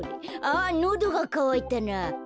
あのどがかわいたな。